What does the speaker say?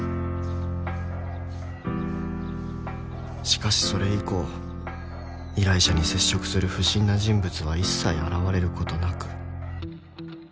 ［しかしそれ以降依頼者に接触する不審な人物は一切現れることなく］